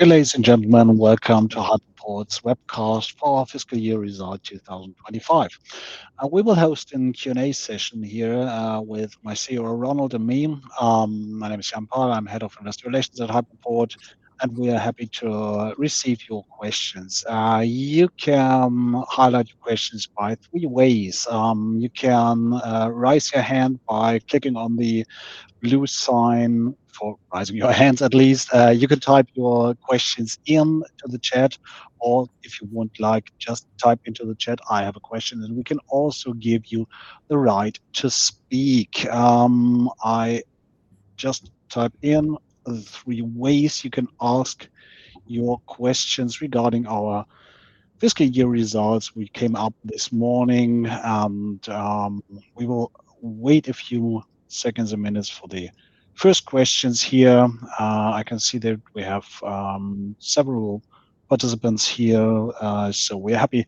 Hey, ladies and gentlemen. Welcome to Hypoport's Webcast for our Fiscal Year 2025 Results. We will host a Q&A session here with my CEO, Ronald Slabke, and me. My name is Jan Pahl. I'm Head of Investor Relations at Hypoport, and we are happy to receive your questions. You can ask your questions in three ways. You can raise your hand by clicking on the blue sign for raising your hands at least. You can type your questions into the chat or if you would like, just type into the chat, "I have a question," and we can also give you the right to speak. I'll just type in the three ways you can ask your questions regarding our fiscal year results. We came up this morning, and we will wait a few seconds and minutes for the first questions here. I can see that we have several participants here, so we're happy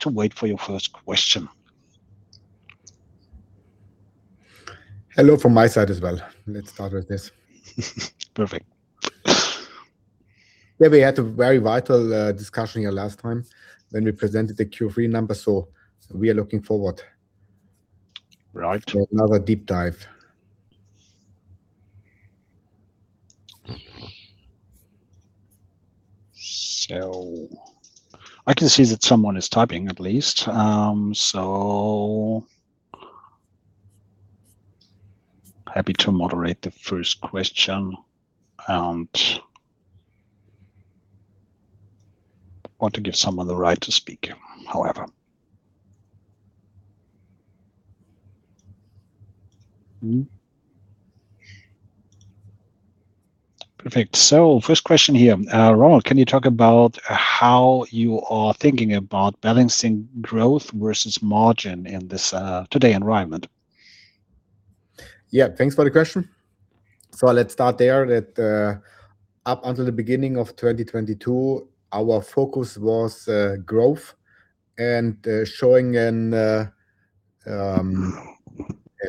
to wait for your first question. Hello from my side as well. Let's start with this. Perfect. Yeah, we had a very vital discussion here last time when we presented the Q3 numbers, so we are looking forward- Right To another deep dive. I can see that someone is typing at least. So happy to moderate the first question and want to give someone the right to speak, however. Perfect. First question here. Ronald, can you talk about how you are thinking about balancing growth versus margin in this, today's environment? Yeah. Thanks for the question. Let's start with that up until the beginning of 2022, our focus was growth and showing a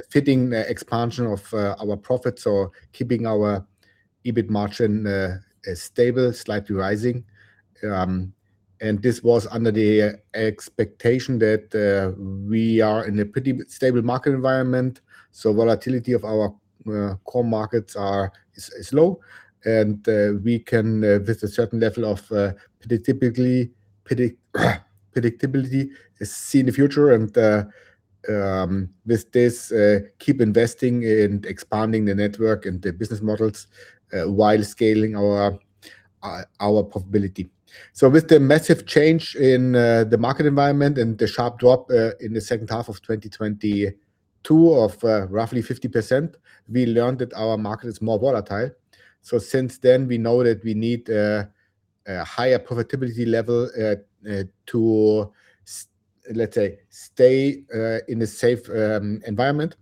fitting expansion of our profits or keeping our EBIT margin stable, slightly rising. This was under the expectation that we are in a pretty stable market environment, volatility of our core markets is low. We can with a certain level of predictability see in the future and with this keep investing in expanding the network and the business models while scaling our profitability. With the massive change in the market environment and the sharp drop in the second half of 2022 of roughly 50%, we learned that our market is more volatile. Since then, we know that we need a higher profitability level to let's say, stay in a safe environment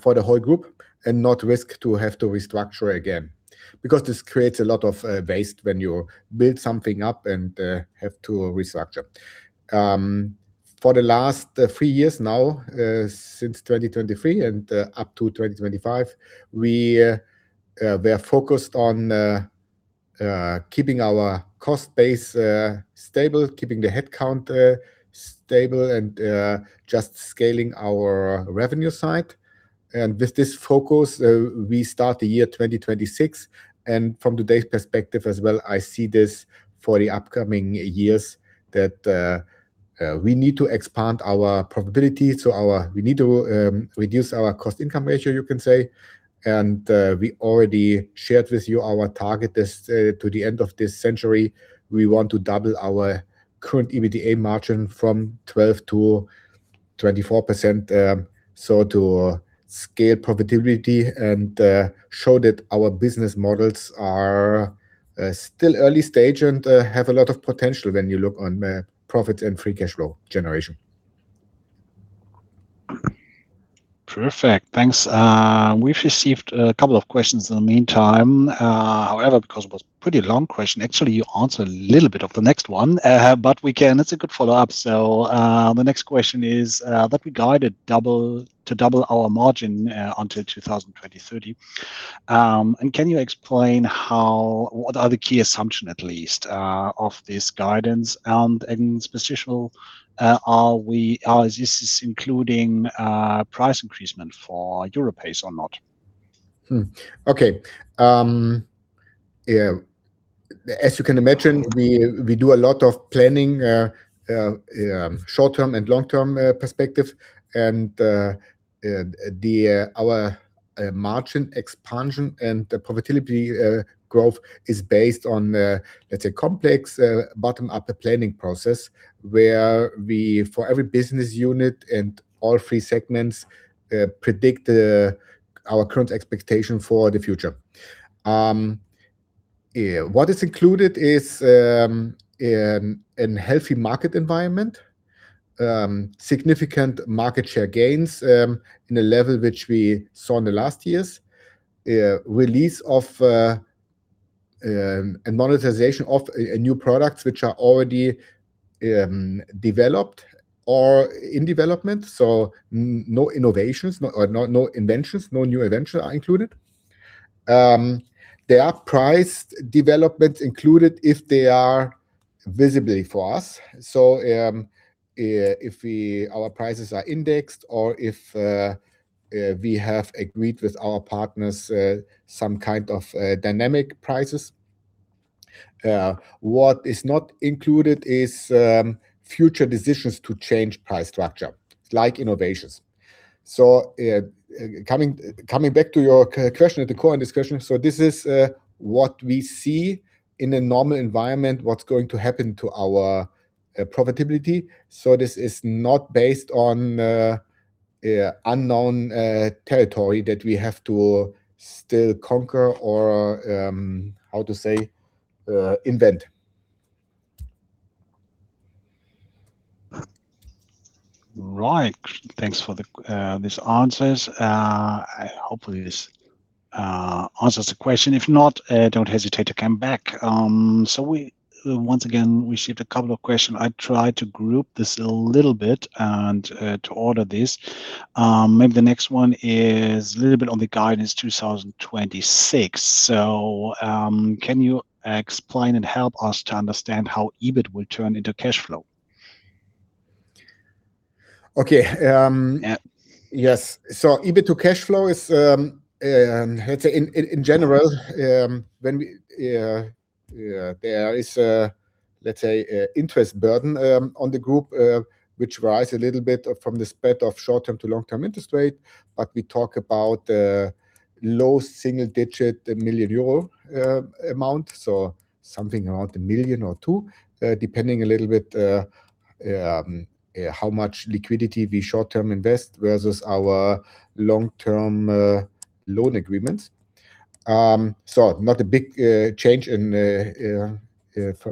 for the whole group and not risk to have to restructure again. Because this creates a lot of waste when you build something up and have to restructure. For the last three years now, since 2023 and up to 2025, we are focused on keeping our cost base stable, keeping the headcount stable, and just scaling our revenue side. With this focus, we start the year 2026, and from today's perspective as well, I see this for the upcoming years, that we need to expand our profitability. We need to reduce our cost-income ratio, you can say. We already shared with you our target to the end of this decade. We want to double our current EBITDA margin from 12% to 24%, so to scale profitability and show that our business models are still early stage and have a lot of potential when you look on profits and free cash flow generation. Perfect. Thanks. We've received a couple of questions in the meantime. However, because it was a pretty long question, actually you answered a little bit of the next one. But it's a good follow-up. The next question is that we guided to double our margin until 2030. Can you explain what are the key assumptions at least of this guidance? Additional, this is including price increases for Europace or not? As you can imagine, we do a lot of planning, short-term and long-term perspective. Our margin expansion and the profitability growth is based on, let's say, complex bottom-up planning process, where we for every business unit and all three segments predict our current expectation for the future. What is included is a healthy market environment, significant market share gains in a level which we saw in the last years, a release of a monetization of new products which are already developed or in development, so no innovations or inventions, no new invention are included. There are price developments included if they are visible to us. If our prices are indexed or if we have agreed with our partners some kind of dynamic prices. What is not included is future decisions to change price structure, like innovations. Coming back to your question at the core and discussion. This is what we see in a normal environment, what's going to happen to our profitability. This is not based on unknown territory that we have to still conquer or how to say invent. Right. Thanks for these answers. I hope this answers the question. If not, don't hesitate to come back. Once again, we received a couple of questions. I tried to group this a little bit and to order this. Maybe the next one is a little bit on the guidance 2026. Can you explain and help us to understand how EBIT will turn into cash flow? Okay. Yeah. Yes. EBIT to cash flow is, let's say in general, there is a, let's say, a interest burden on the group, which rise a little bit from the spread of short-term to long-term interest rate. We talk about low single-digit million Euro amount, so something around 1 or 2 million, depending a little bit how much liquidity we short-term invest versus our long-term loan agreements. Not a big change in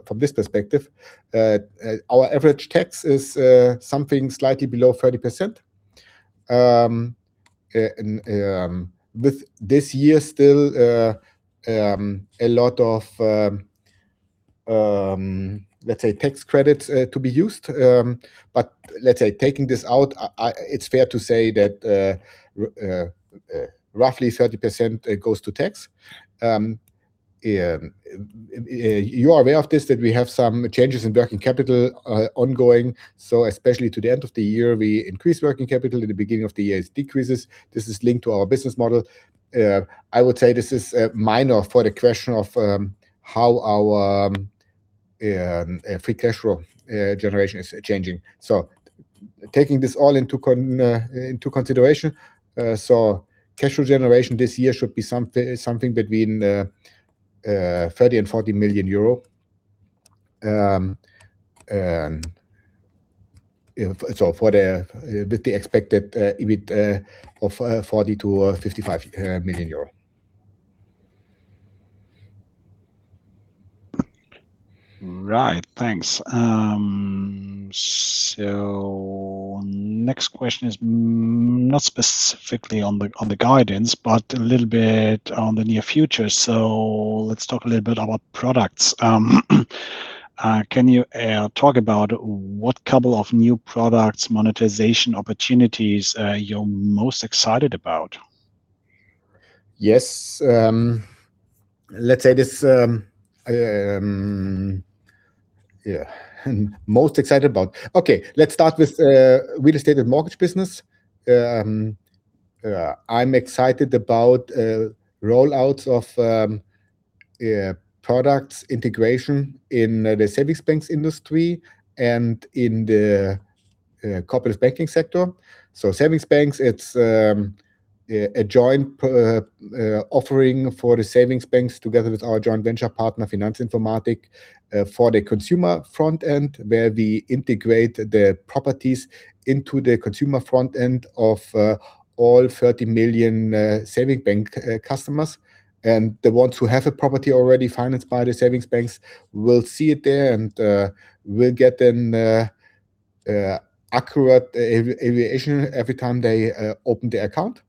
from this perspective. Our average tax is something slightly below 30%. With this year, still a lot of, let's say, tax credits to be used. Let's say taking this out, it's fair to say that roughly 30% goes to tax. You are aware of this, that we have some changes in working capital ongoing, so especially to the end of the year, we increase working capital. In the beginning of the year, it decreases. This is linked to our business model. I would say this is minor for the question of how our free cash flow generation is changing. Taking this all into consideration, cash flow generation this year should be something between 30 million to 40 million euro. With the expected EBIT of 40 million to 55 million euro. Right. Thanks. Next question is not specifically on the guidance, but a little bit on the near future. Let's talk a little bit about products. Can you talk about a couple of new products monetization opportunities you're most excited about? Yes. Let's say this. Yeah. Most excited about. Okay, let's start with real estate and mortgage business. I'm excited about rollouts of products integration in the savings banks industry and in the corporate banking sector. Savings banks, it's a joint offering for the savings banks together with our joint venture partner, Finmas, for the consumer front end, where we integrate the properties into the consumer front end of all 30 million savings bank customers. The ones who have a property already financed by the savings banks will see it there, and will get an accurate evaluation every time they open the account.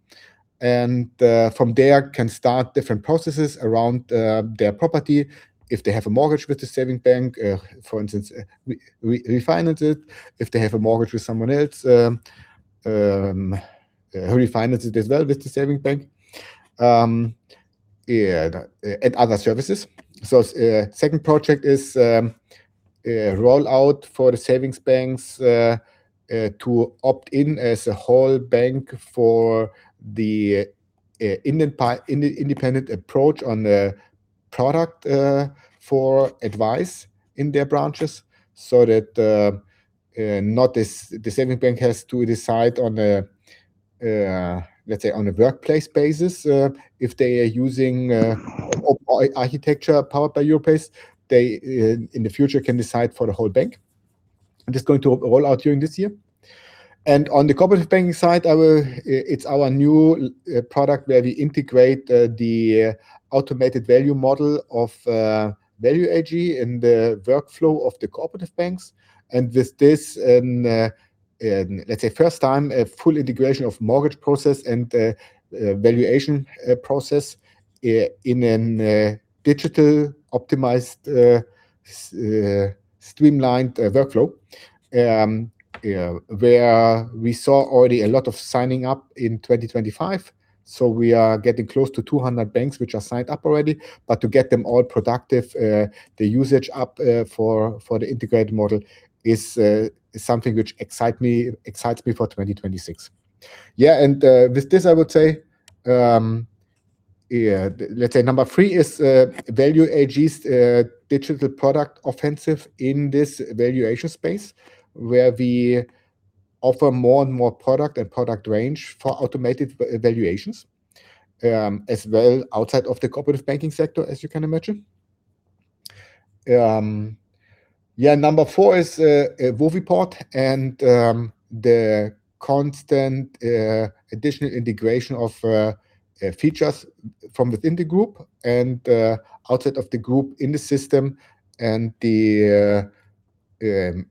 From there, can start different processes around their property. If they have a mortgage with the savings bank, for instance, we refinance it. If they have a mortgage with someone else, who refinances as well with the savings bank, yeah, and other services. Second project is roll out for the savings banks to opt in as a whole bank for the independent approach on the product for advice in their branches so that not the savings bank has to decide on a, let's say, on a workplace basis if they are using architecture powered by Europace. They in the future can decide for the whole bank, and it's going to roll out during this year. On the corporate banking side, it's our new product where we integrate the automated value model of Value AG in the workflow of the cooperative banks. With this, let's say first time a full integration of mortgage process and valuation process in a digitally optimized, streamlined workflow. Yeah, where we saw already a lot of signing up in 2025, so we are getting close to 200 banks which are signed up already. But to get them all productive, the usage up for the integrated model is something which excites me for 2026. With this I would say, yeah, let's say number three is Value AG's digital product offensive in this valuation space, where we offer more and more product and product range for automated valuations, as well outside of the cooperative banking sector, as you can imagine. Number four is Wuvipart and the constant additional integration of features from within the group and outside of the group in the system, and the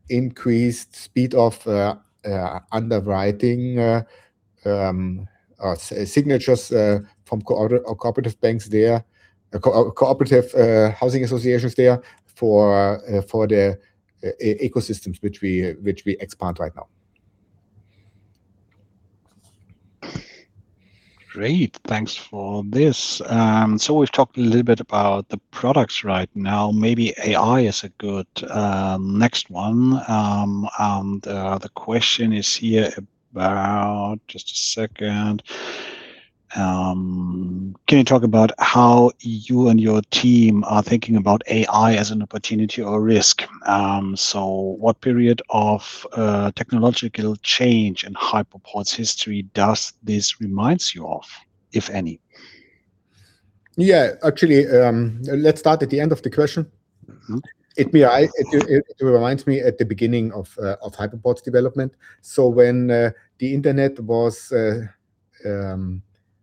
increased speed of underwriting signatures from co-op or cooperative banks there, co-op-cooperative housing associations there for the ecosystems which we expand right now. Great. Thanks for this. We've talked a little bit about the products right now. Maybe AI is a good next one. Can you talk about how you and your team are thinking about AI as an opportunity or risk? What period of technological change in Hypoport's history does this reminds you of, if any? Yeah. Actually, let's start at the end of the question. It reminds me of the beginning of Hypoport's development. When the internet was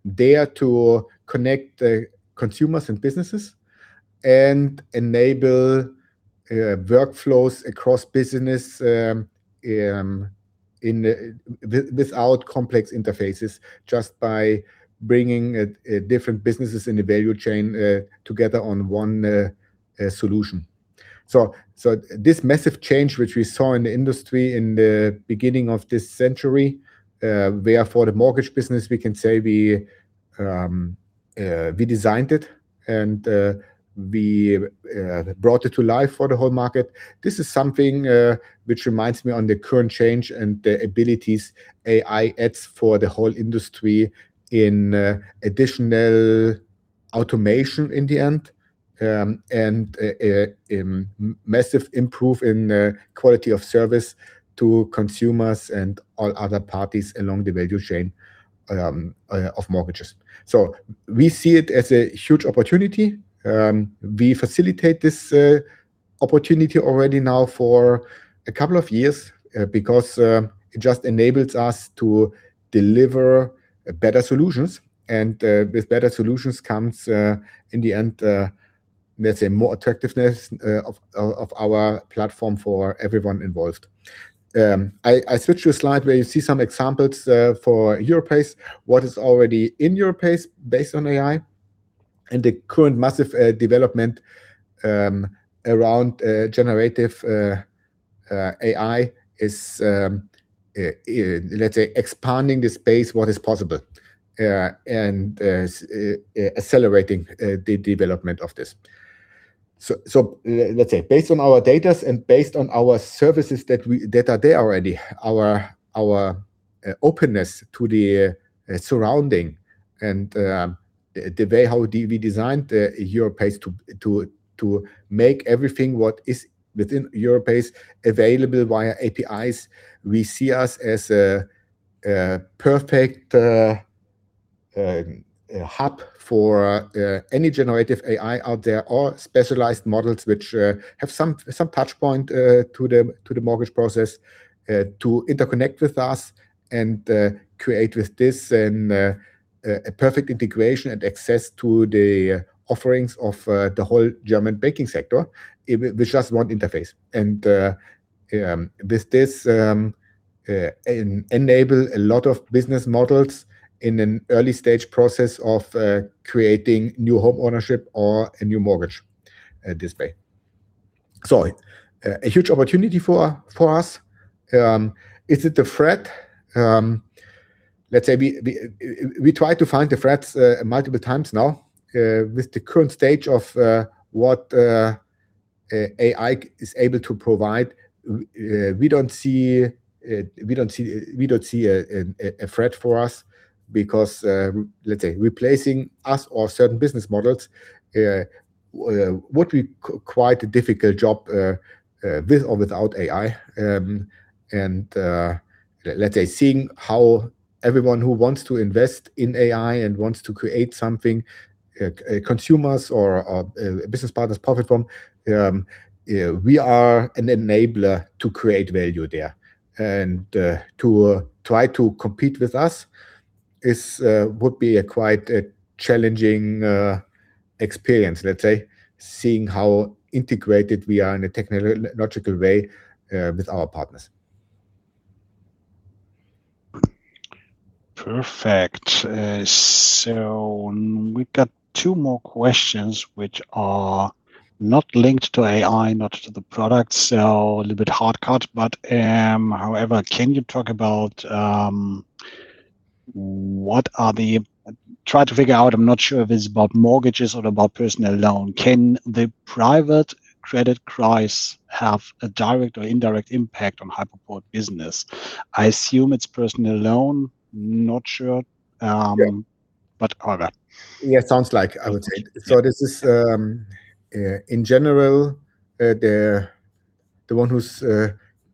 there to connect the consumers and businesses and enable workflows across business without complex interfaces, just by bringing different businesses in the value chain together on one solution. This massive change which we saw in the industry in the beginning of this decade, where for the mortgage business, we can say we designed it and we brought it to life for the whole market. This is something which reminds me of the current change and the abilities AI adds for the whole industry in additional automation in the end, and a massive improvement in quality of service to consumers and all other parties along the value chain of mortgages. We see it as a huge opportunity. We facilitate this opportunity already now for a couple of years because it just enables us to deliver better solutions, and with better solutions comes in the end let's say more attractiveness of our platform for everyone involved. I switch to a slide where you see some examples for Europace, what is already in Europace based on AI and the current massive development around generative AI is, let's say, expanding the space what is possible and accelerating the development of this. Let's say based on our data and based on our services that are there already, our openness to the surrounding and the way how we designed Europace to make everything what is within Europace available via APIs, we see us as a perfect hub for any generative AI out there or specialized models which have some touch point to the mortgage process to interconnect with us and create with this a perfect integration and access to the offerings of the whole German banking sector with just one interface. With this enable a lot of business models in an early stage process of creating new homeownership or a new mortgage this way. A huge opportunity for us. Is it a threat? Let's say we try to find the threats multiple times now. With the current stage of what AI is able to provide, we don't see a threat for us because, let's say replacing us or certain business models would be quite a difficult job with or without AI. Let's say seeing how everyone who wants to invest in AI and wants to create something, consumers or business partners profit from, we are an enabler to create value there. To try to compete with us would be quite a challenging experience, let's say, seeing how integrated we are in a technological way with our partners. Perfect. We've got two more questions which are not linked to AI, not to the product, a little bit hard cut. However, can you talk about, I'm not sure if it's about mortgages or about personal loan. Can the private credit crisis have a direct or indirect impact on Hypoport business? I assume it's personal loan, not sure. Yeah Cover. Yeah, sounds like, I would say. This is, in general, the one who's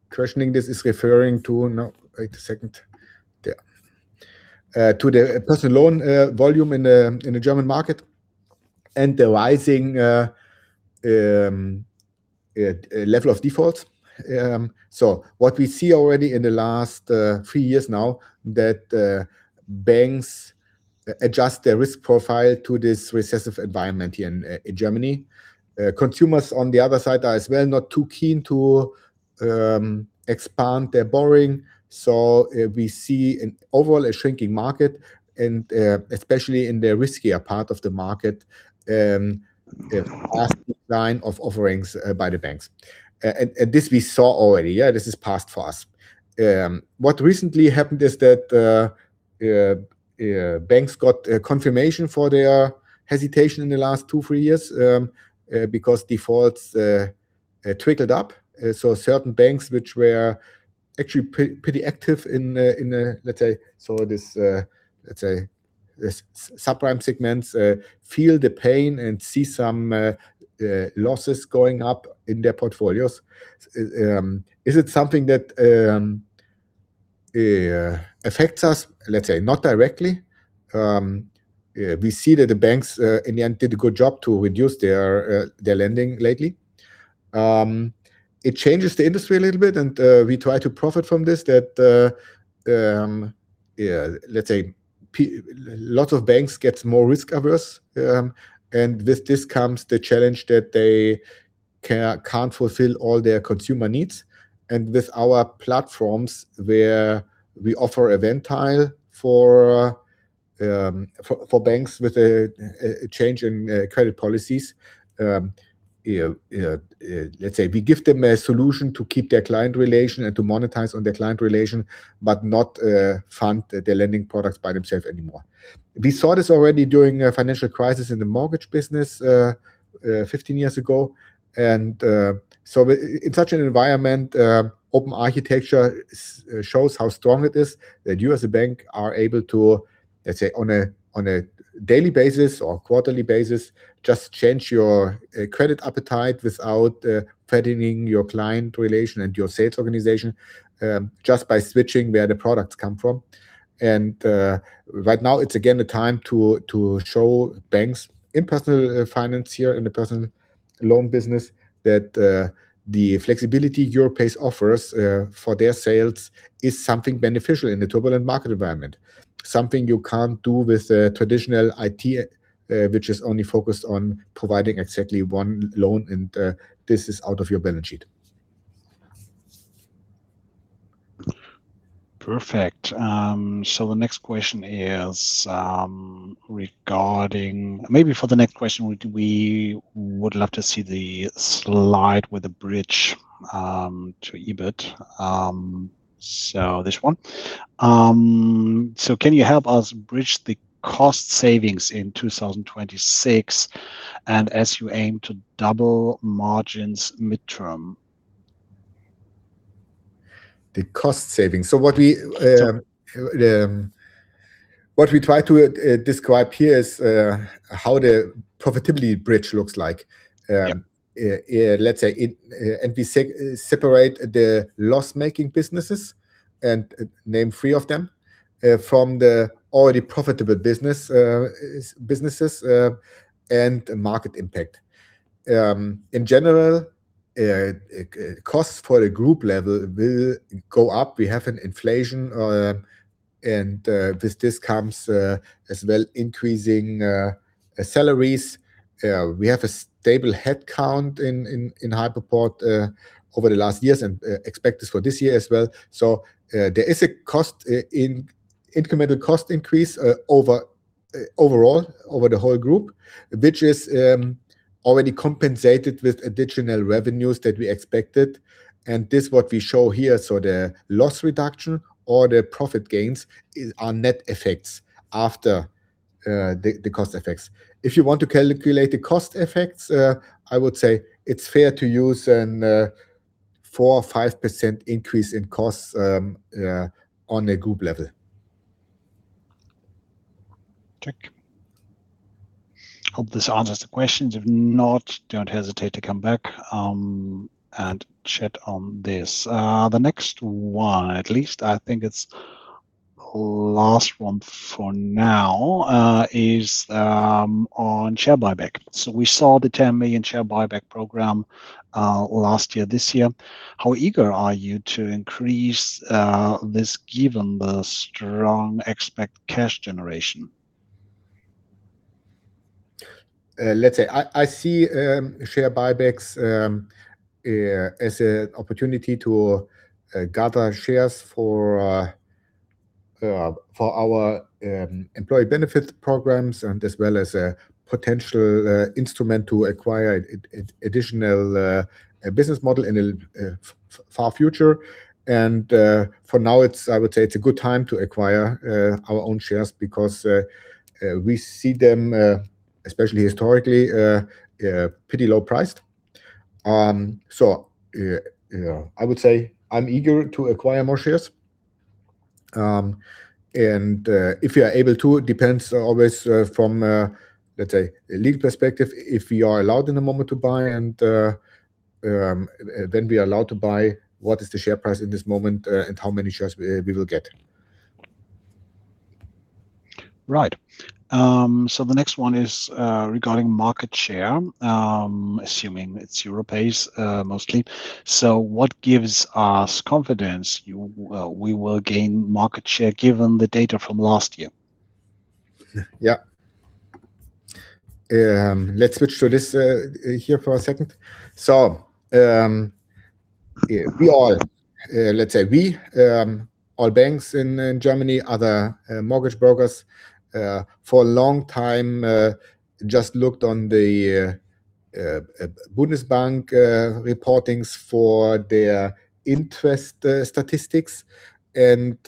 questioning this is referring to the personal loan volume in the German market and the rising level of defaults. What we see already in the last three years now, that banks adjust their risk profile to this recessionary environment here in Germany. Consumers on the other side are as well not too keen to expand their borrowing. We see an overall shrinking market and, especially in the riskier part of the market, a vast decline of offerings by the banks. And this we saw already. Yeah, this is past for us. What recently happened is that banks got confirmation for their hesitation in the last two to three years because defaults trickled up. Certain banks which were actually pretty active in, let's say, this subprime segments feel the pain and see some losses going up in their portfolios. Is it something that affects us? Let's say, not directly. We see that the banks in the end did a good job to reduce their lending lately. It changes the industry a little bit, and we try to profit from this that, let's say, plenty of banks get more risk-averse, and with this comes the challenge that they can't fulfill all their consumer needs. With our platforms where we offer a vehicle for banks with a change in credit policies, let's say we give them a solution to keep their client relation and to monetize on their client relation, but not fund their lending products by themselves anymore. We saw this already during a financial crisis in the mortgage business 15 years ago. In such an environment, open architecture shows how strong it is that you as a bank are able to, let's say, on a daily basis or quarterly basis, just change your credit appetite without threatening your client relation and your sales organization, just by switching where the products come from. Right now it's again a time to show banks in personal finance here, in the personal loan business, that the flexibility Europace offers for their sales is something beneficial in the turbulent market environment. Something you can't do with a traditional IT, which is only focused on providing exactly one loan and this is off your balance sheet. Perfect. The next question is, maybe for the next question, we would love to see the slide with the bridge to EBIT. This one. Can you help us bridge the cost savings in 2026 and as you aim to double margins midterm? The cost savings. What we, Sure What we try to describe here is how the profitability bridge looks like. Yeah Let's say in and we separate the loss making businesses and name three of them from the already profitable businesses and market impact. In general, costs for the group level will go up. We have an inflation and with this comes as well increasing salaries. We have a stable headcount in Hypoport over the last years and expect this for this year as well. There is an incremental cost increase overall over the whole group, which is already compensated with additional revenues that we expected. This what we show here. The loss reduction or the profit gains are net effects after the cost effects. If you want to calculate the cost effects, I would say it's fair to use a 4%-5% increase in costs on a group level. Check. Hope this answers the questions. If not, don't hesitate to come back and chat on this. The next one, at least I think it's last one for now, is on share buyback. We saw the 10 million share buyback program last year, this year. How eager are you to increase this given the strong expected cash generation? Let's say I see share buybacks as an opportunity to gather shares for our employee benefit programs and as well as a potential instrument to acquire additional business model in the far future. For now, I would say it's a good time to acquire our own shares because we see them especially historically pretty low priced. I would say I'm eager to acquire more shares. If you are able to, it depends always from let's say a legal perspective, if we are allowed in the moment to buy and then we are allowed to buy, what is the share price in this moment and how many shares we will get. Right. The next one is, regarding market share, assuming it's Europe-based, mostly. What gives us confidence we will gain market share given the data from last year? Yeah. Let's switch to this here for a second. Let's say all banks in Germany, other mortgage brokers for a long time just looked on the Bundesbank reporting for their interest statistics and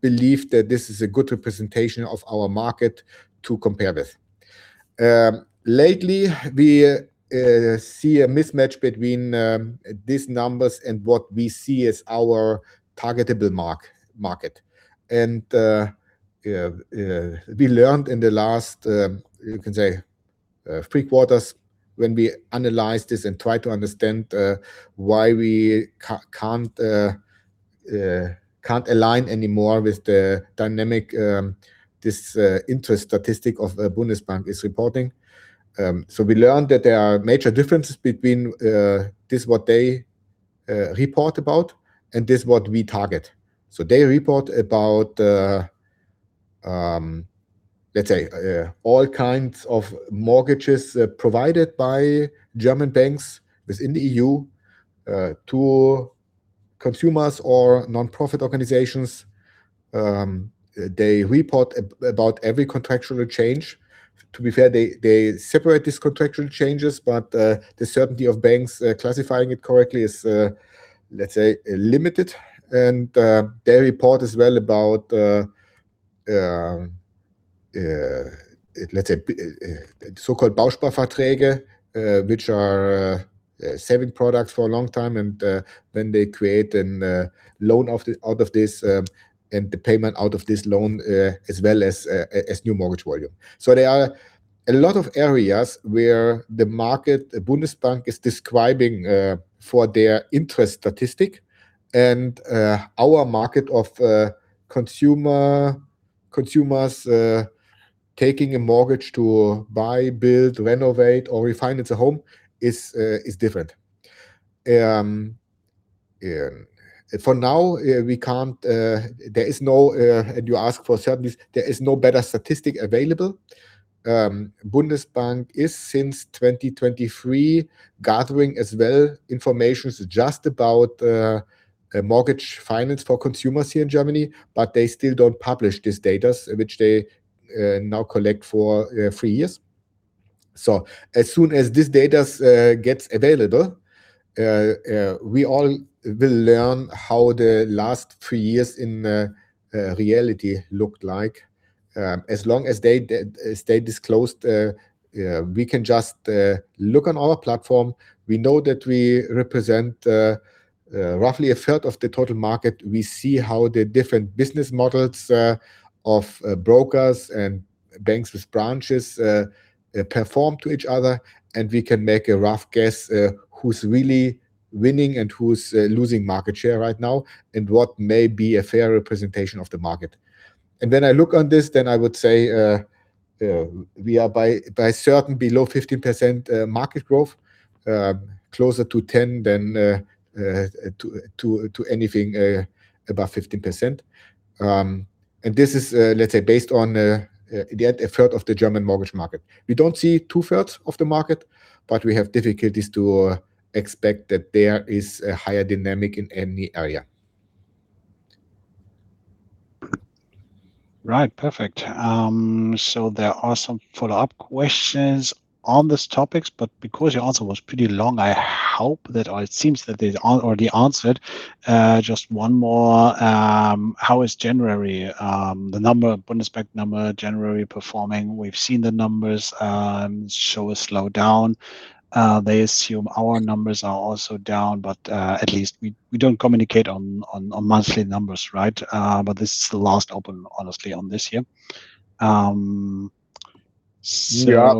believed that this is a good representation of our market to compare with. Lately, we see a mismatch between these numbers and what we see as our targetable market. We learned in the last you can say three quarters when we analyzed this and tried to understand why we can't align anymore with the dynamic. This interest statistic of Bundesbank is reporting. We learned that there are major differences between what they report about and what we target. They report about, let's say, all kinds of mortgages provided by German banks within the EU, to consumers or nonprofit organizations. They report about every contractual change. To be fair, they separate these contractual changes, but the certainty of banks classifying it correctly is, let's say, limited. They report as well about, let's say, so-called Bausparverträge, which are saving products for a long time, and then they create a loan out of this, and the payment out of this loan, as well as new mortgage volume. There are a lot of areas where the Deutsche Bundesbank is describing, for their interest statistic and, our market of consumers taking a mortgage to buy, build, renovate, or refinance a home is different. Yeah. You ask for certainties, there is no better statistic available. Bundesbank is since 2023 gathering as well information just about mortgage finance for consumers here in Germany, but they still don't publish this data which they now collect for three years. As soon as this data gets available, we all will learn how the last 3 years in reality looked like. As long as they stay undisclosed, we can just look on our platform. We know that we represent roughly a third of the total market. We see how the different business models of brokers and banks with branches perform to each other, and we can make a rough guess who's really winning and who's losing market share right now and what may be a fair representation of the market. When I look on this, then I would say we are certainly below 15% market growth, closer to 10% than to anything above 15%. This is, let's say, based on about a third of the German mortgage market. We don't see two-thirds of the market, but we have difficulties to expect that there is a higher dynamic in any area. Right. Perfect. There are some follow-up questions on these topics, but because your answer was pretty long, I hope that or it seems that they are already answered. Just one more. How is January, the number, Bundesbank number January performing? We've seen the numbers show a slowdown. They assume our numbers are also down, but at least we don't communicate on monthly numbers, right? This is the last open honestly on this year. Yeah.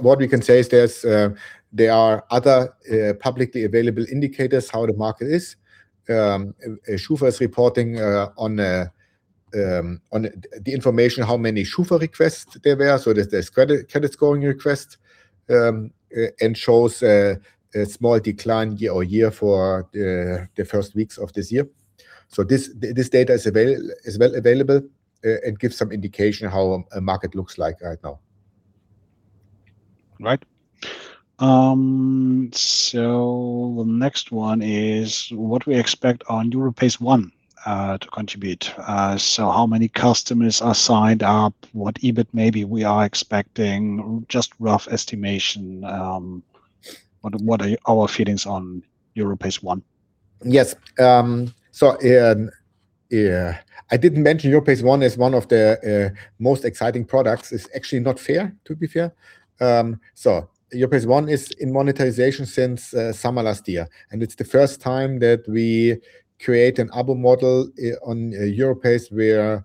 What we can say is this, there are other publicly available indicators how the market is. SCHUFA is reporting on the information how many SCHUFA requests there were, so that there's credit scoring requests, and shows a small decline year-over-year for the first weeks of this year. This data is well available, and gives some indication how a market looks like right now. Right. The next one is what we expect on Europace One to contribute. How many customers are signed up? What EBIT maybe we are expecting? Just rough estimation, what are our feelings on Europace One? Yes. I didn't mention Europace One is one of the most exciting products. It's actually not fair, to be fair. Europace One is in monetization since summer last year, and it's the first time that we create an SaaS model on Europace where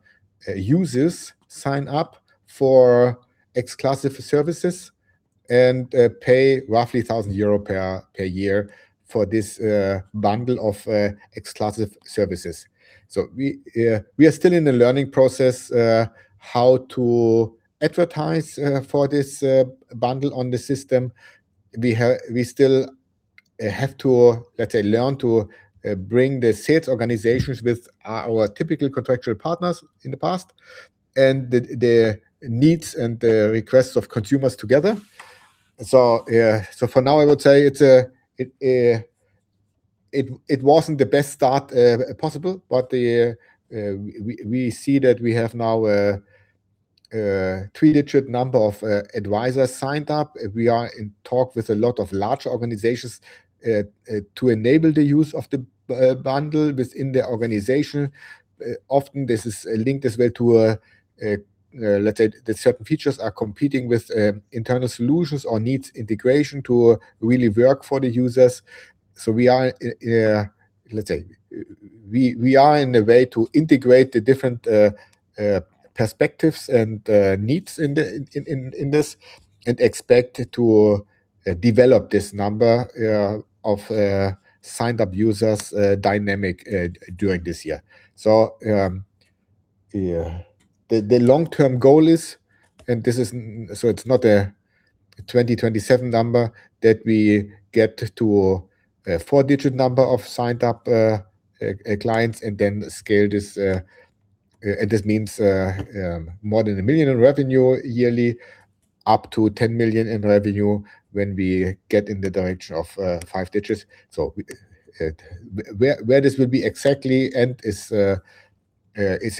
users sign up for exclusive services and pay roughly 1,000 euro per year for this bundle of exclusive services. We are still in the learning process how to advertise for this bundle on the system. We still have to, let's say, learn to bring the sales organizations with our typical contractual partners in the past and the needs and the requests of consumers together. For now, I would say it wasn't the best start possible, but we see that we have now a three-digit number of advisors signed up. We are in talks with a lot of large organizations to enable the use of the B-bundle within the organization. Often this is linked as well to let's say that certain features are competing with internal solutions or need integration to really work for the users. We are, let's say, in a way to integrate the different perspectives and needs in this, and expect to develop this number of signed-up users dynamically during this year. The long-term goal is. It's not a 2027 number that we get to a four-digit number of signed up clients and then scale this. This means more than 1 million in revenue yearly, up to 10 million in revenue when we get in the direction of five digits. Where this will be exactly is a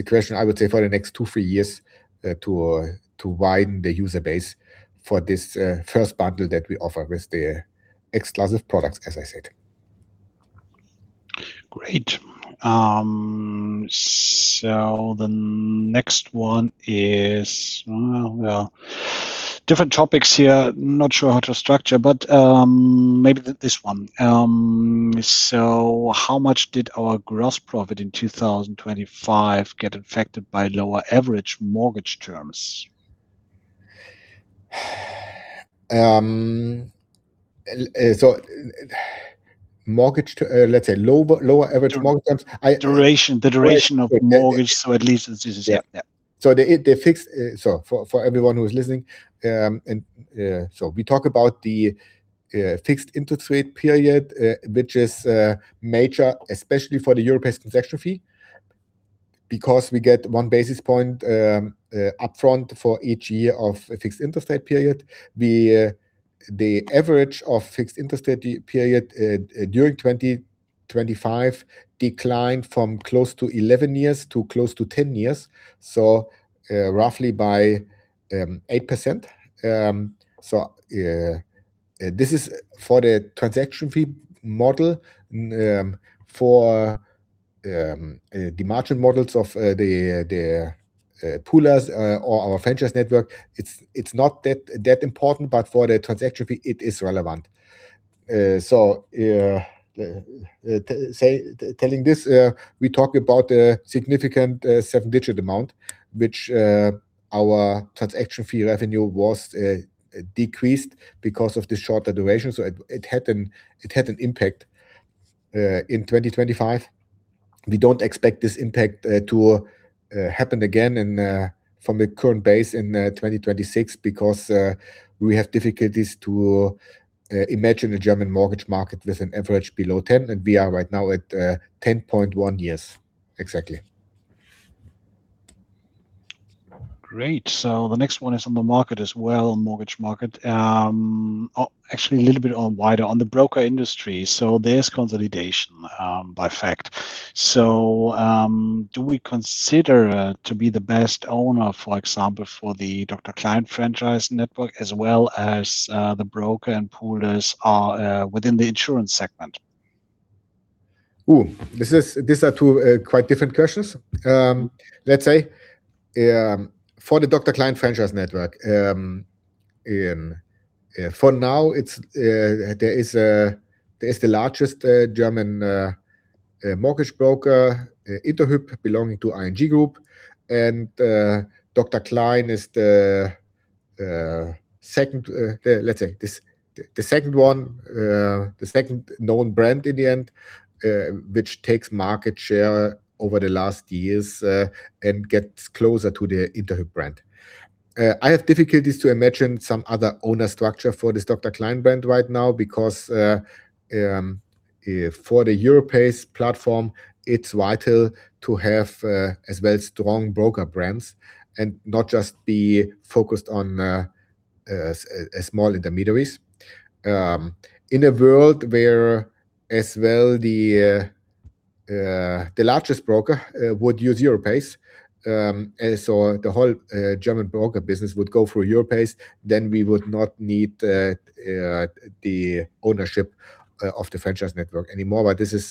question, I would say, for the next two, three years to widen the user base for this first bundle that we offer with the exclusive products, as I said. Great. The next one is. Well, different topics here. Not sure how to structure, but maybe this one. How much did our gross profit in 2025 get affected by lower average mortgage terms? Mortgage, too, let's say lower average mortgage terms. The duration of mortgage, so at least this is it. Yeah. For everyone who is listening, we talk about the fixed interest rate period, which is major, especially for the Europace transaction fee, because we get one basis point up front for each year of a fixed interest rate period. The average fixed interest rate period during 2025 declined from close to 11 years to close to 10 years, roughly by 8%. This is for the transaction fee model. For the margin models of the poolers or our franchise network, it's not that important, but for the transaction fee, it is relevant. To say, we talk about a significant seven-digit Euro amount, which our transaction fee revenue was decreased because of the shorter duration. It had an impact in 2025. We don't expect this impact to happen again from the current base in 2026 because we have difficulties to imagine the German mortgage market with an average below 10, and we are right now at 10.1 years exactly. Great. The next one is on the mortgage market as well. Actually a little bit on the broker industry. There's consolidation in fact. Do we consider to be the best owner, for example, for the Dr. Klein franchise network as well as the broker and poolers within the insurance segment? These are two quite different questions. Let's say, for the Dr. Klein franchise network, for now, it's the largest German mortgage broker, Interhyp, belonging to ING Group. Dr. Klein is the second known brand in the end, which takes market share over the last years, and gets closer to the Interhyp brand. I have difficulties to imagine some other owner structure for this Dr. Klein brand right now because if for the Europace platform it's vital to have as well strong broker brands and not just be focused on small intermediaries. In a world where, as well, the largest broker would use Europace, and so the whole German broker business would go through Europace, then we would not need the ownership of the franchise network anymore. This is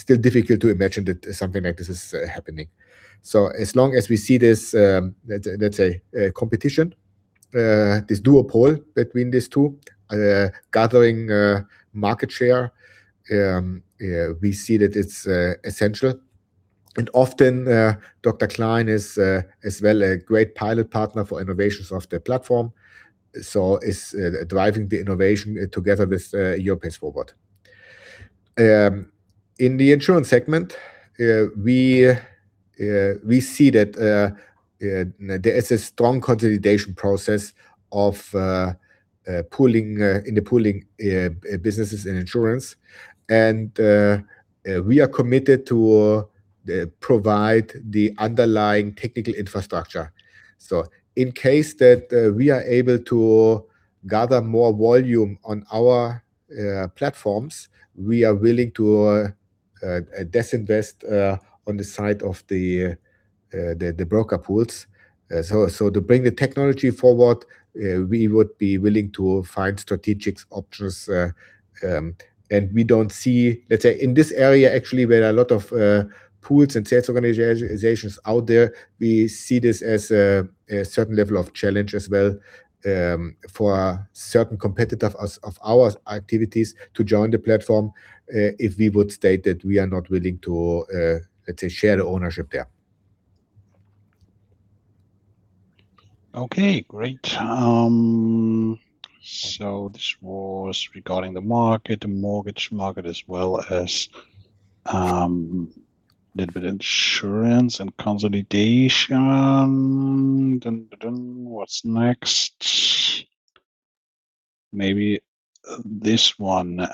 still difficult to imagine that something like this is happening. As long as we see this, let's say, competition, this duopoly between these two gathering market share, we see that it's essential. Often Dr. Klein is as well a great pilot partner for innovations of the platform, so is driving the innovation together with Europace forward. In the insurance segment, we see that there is a strong consolidation process of pooling in the pooling businesses in insurance and we are committed to provide the underlying technical infrastructure. In case that we are able to gather more volume on our platforms, we are willing to divest on the side of the broker pools. To bring the technology forward, we would be willing to find strategic options, and we don't see. Let's say in this area actually, where a lot of pools and sales organizations out there, we see this as a certain level of challenge as well, for certain competitive aspects of our activities to join the platform, if we would state that we are not willing to, let's say, share the ownership there. Okay, great. So this was regarding the market, the mortgage market as well as a little bit insurance and consolidation. What's next? Maybe this one.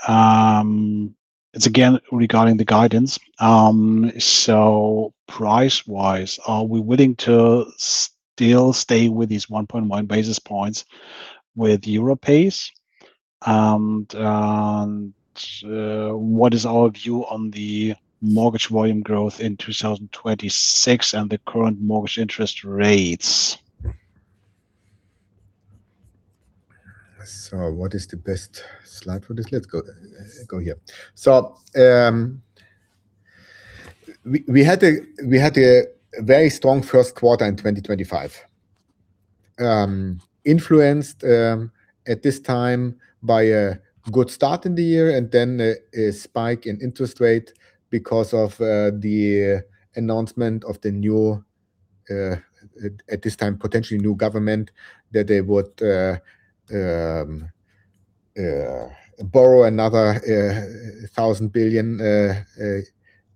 It's again regarding the guidance. So price-wise, are we willing to still stay with these 1.1 basis points with Europace? And what is our view on the mortgage volume growth in 2026 and the current mortgage interest rates? What is the best slide for this? Let's go here. We had a very strong first quarter in 2025, influenced at this time by a good start in the year and then a spike in interest rate because of the announcement of the new, at this time, potentially new government that they would borrow another 1,000 billion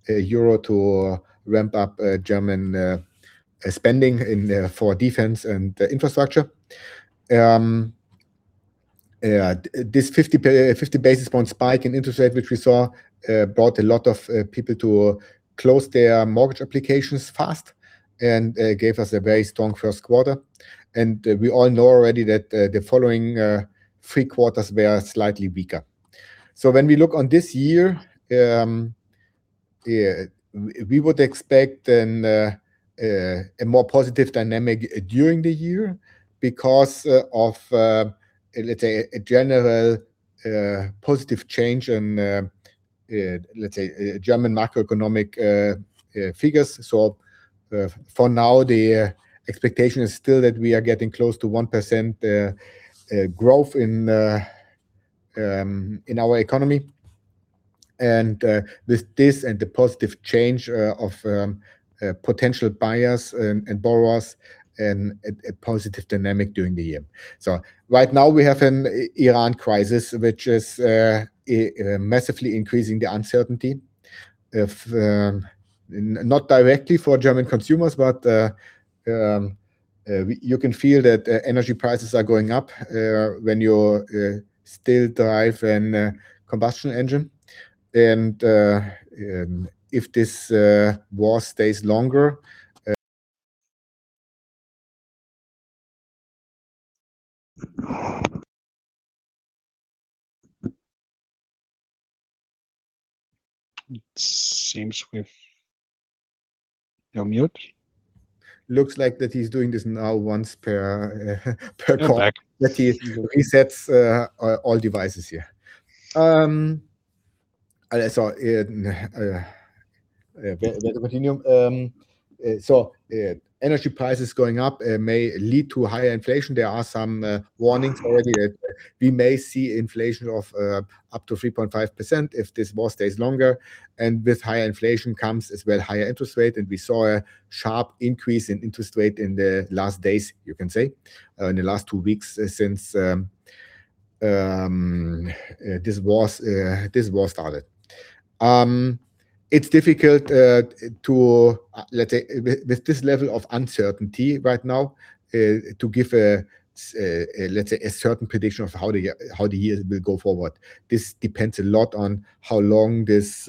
euro to ramp up German spending for defense and infrastructure. This 50 basis point spike in interest rate, which we saw, brought a lot of people to close their mortgage applications fast and gave us a very strong first quarter. We all know already that the following three quarters were slightly weaker. When we look on this year, we would expect a more positive dynamic during the year because of let's say a general positive change in let's say German macroeconomic figures. For now, the expectation is still that we are getting close to 1% growth in our economy. With this and the positive change of potential buyers and borrowers and a positive dynamic during the year. Right now we have an Iran crisis, which is massively increasing the uncertainty of not directly for German consumers, but you can feel that energy prices are going up when you still drive a combustion engine. If this war stays longer. You're on mute. Looks like that he's doing this now once per call. In fact. That he resets all devices here. Continue. Energy prices going up may lead to higher inflation. There are some warnings already that we may see inflation of up to 3.5% if this war stays longer. With higher inflation comes as well higher interest rate, and we saw a sharp increase in interest rate in the last days, you can say, in the last two weeks since this war started. It's difficult to, let's say, with this level of uncertainty right now to give a, let's say, a certain prediction of how the year will go forward. This depends a lot on how long this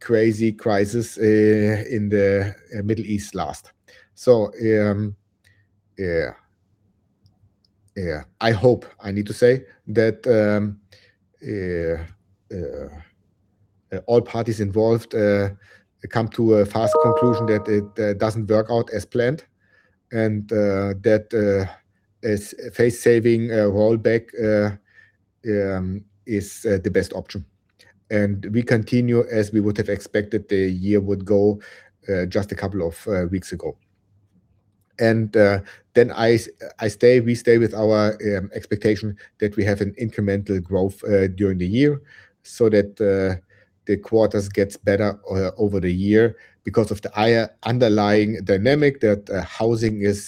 crazy crisis in the Middle East lasts. Yeah. Yeah. I hope, I need to say, that all parties involved come to a fast conclusion that it doesn't work out as planned and that a face-saving rollback is the best option. We continue as we would have expected the year would go just a couple of weeks ago. Then we stay with our expectation that we have an incremental growth during the year so that the quarters gets better over the year because of the higher underlying dynamic that housing is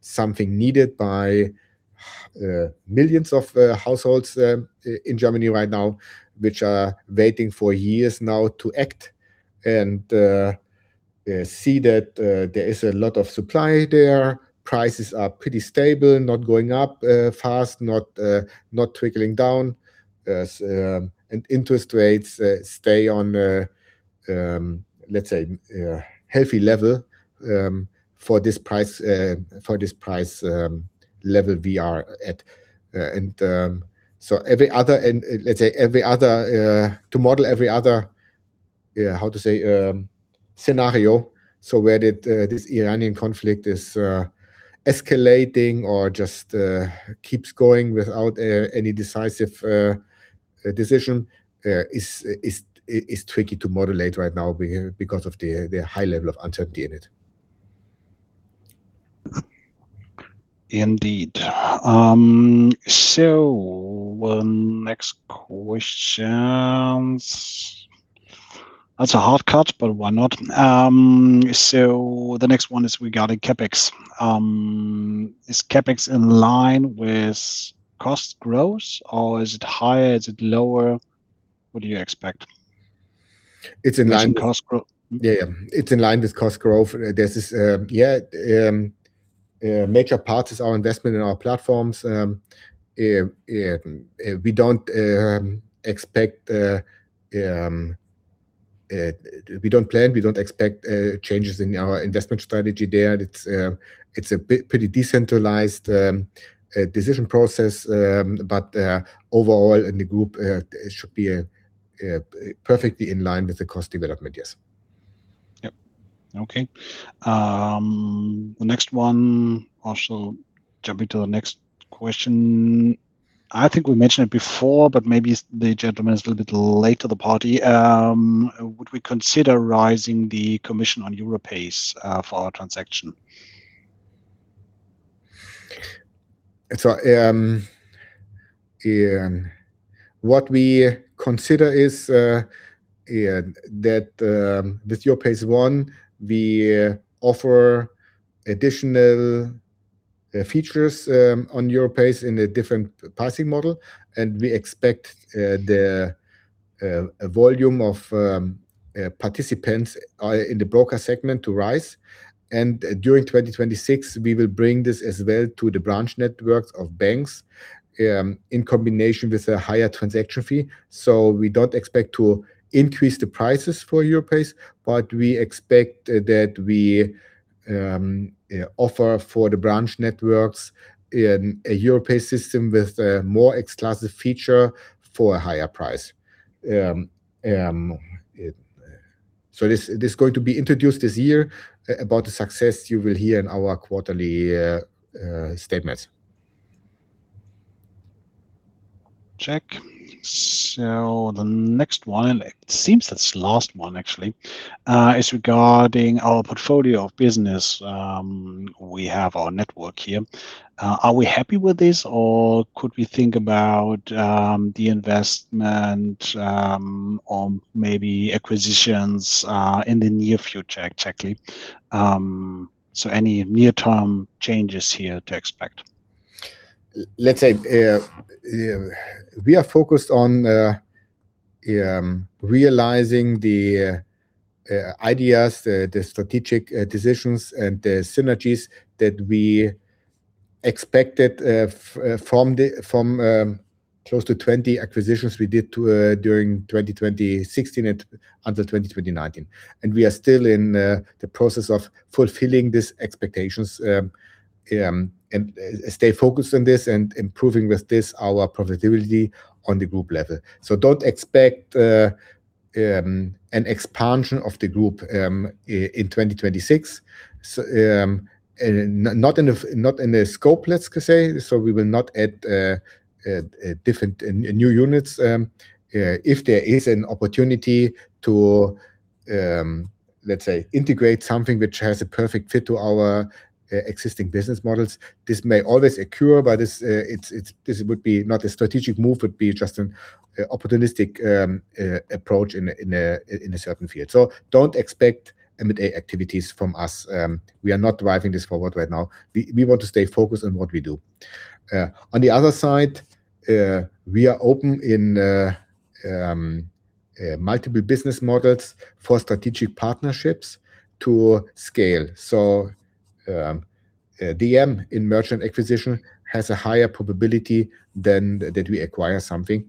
something needed by millions of households in Germany right now, which are waiting for years now to act and see that there is a lot of supply there. Prices are pretty stable, not going up fast, not wiggling down. Interest rates stay on a, let's say, a healthy level for this price level we are at. Every other scenario where this Iranian conflict is escalating or just keeps going without any decisive decision is tricky to model right now because of the high level of uncertainty in it. Indeed. Next questions. That's a hard cut, but why not? The next one is regarding CapEx. Is CapEx in line with cost growth or is it higher? Is it lower? What do you expect? It's in line. Is it cost growth? Yeah. It's in line with cost growth. The major part is our investment in our platforms. We don't expect changes in our investment strategy there. It's pretty decentralized decision process. Overall in the group, it should be perfectly in line with the cost development. Yes. Yep. Okay. The next one, also jumping to the next question. I think we mentioned it before, but maybe the gentleman is a little bit late to the party. Would we consider raising the commission on Europace for our transaction? What we consider is that with Europace One, we offer additional features on Europace in a different pricing model, and we expect the volume of participants in the broker segment to rise. During 2026, we will bring this as well to the branch networks of banks in combination with a higher transaction fee. We don't expect to increase the prices for Europace, but we expect that we offer for the branch networks a Europace system with a more exclusive feature for a higher price. This is going to be introduced this year. About the success, you will hear in our quarterly statements. Check. The next one, it seems that's the last one actually, is regarding our portfolio of business. We have our network here. Are we happy with this or could we think about the investment or maybe acquisitions in the near future exactly? Any near-term changes here to expect? Let's say we are focused on realizing the ideas, the strategic decisions and the synergies that we expected from close to 20 acquisitions we did during 2016 until 2019. We are still in the process of fulfilling these expectations and stay focused on this and improving with this our profitability on the group level. Don't expect an expansion of the group in 2026. Not in the scope, let's say. We will not add different new units. If there is an opportunity to, let's say, integrate something which has a perfect fit to our existing business models, this may always occur. This would be not a strategic move. It would be just an opportunistic approach in a certain field. Don't expect M&A activities from us. We are not driving this forward right now. We want to stay focused on what we do. On the other side, we are open in multiple business models for strategic partnerships to scale. JV in merchant acquisition has a higher probability than that we acquire something.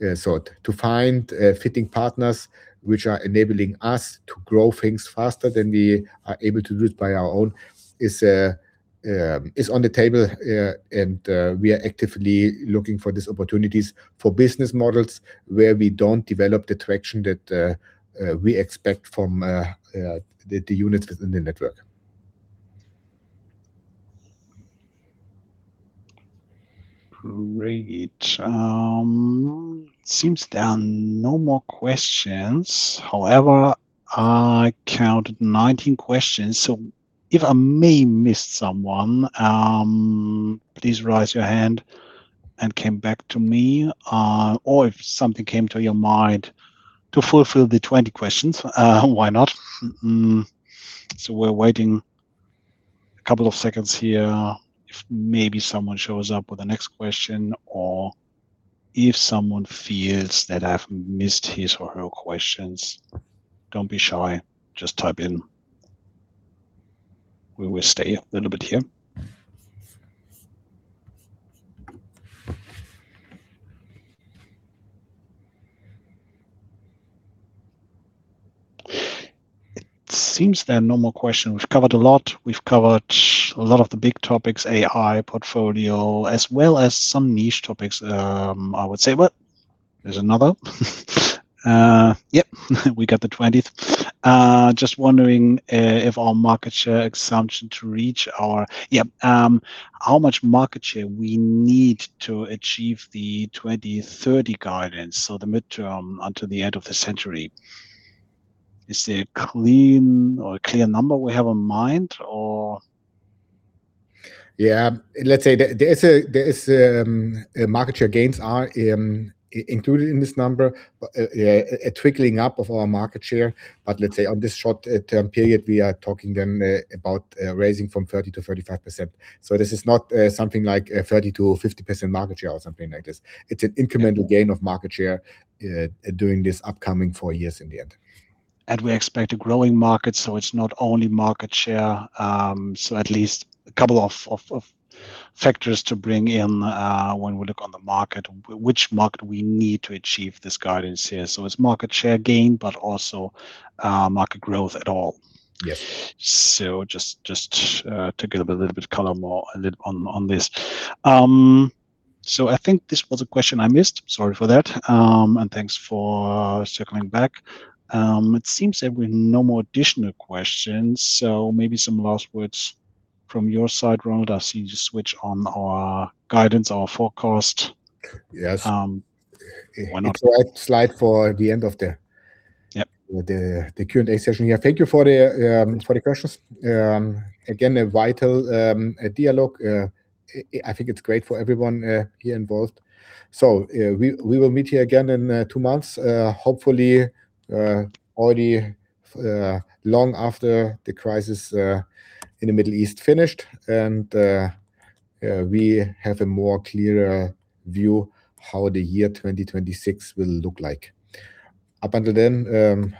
To find fitting partners which are enabling us to grow things faster than we are able to do it by our own is on the table, and we are actively looking for these opportunities for business models where we don't develop the traction that we expect from the units within the network. Great. Seems there are no more questions. However, I counted 19 questions, so if I may have missed someone, please raise your hand and come back to me, or if something came to your mind to fulfill the 20 questions, why not? We're waiting a couple of seconds here if maybe someone shows up with the next question or if someone fears that I've missed his or her questions, don't be shy. Just type in. We will stay a little bit here. It seems there are no more questions. We've covered a lot. We've covered a lot of the big topics, AI, portfolio, as well as some niche topics, I would say. What? There's another? Yep, we got the 20th. Just wondering, if our market share assumption to reach our... Yep, how much market share we need to achieve the 2030 guidance, so the midterm until the end of the decade. Is there a clean or a clear number we have in mind or? Yeah. Let's say there is market share gains are included in this number, but a trickling up of our market share. Let's say on this short term period, we are talking then about raising from 30% to 35%. This is not something like a 30% to 50% market share or something like this. It's an incremental gain of market share during this upcoming four years in the end. We expect a growing market, so it's not only market share. At least a couple of factors to bring in when we look on the market, which market we need to achieve this guidance here. It's market share gain, but also market growth at all. Yeah. Just to give a little bit more color on this. I think this was a question I missed. Sorry for that, and thanks for circling back. It seems there were no more additional questions, maybe some last words from your side, Ronald. I see you switched on our guidance, our forecast. Yes. Why not? The correct slide for the end of the- Yep The Q&A session here. Thank you for the questions. Again, a vital dialogue. I think it's great for everyone here involved. We will meet here again in two months, hopefully already long after the crisis in the Middle East finished and we have a more clearer view how the year 2026 will look like. Up until then,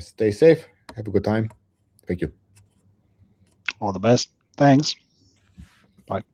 stay safe. Have a good time. Thank you. All the best. Thanks. Bye.